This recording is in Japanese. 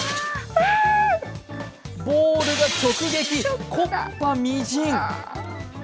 ボールが直撃、木っ端みじん。